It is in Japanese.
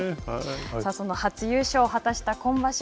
その初優勝を果たした今場所。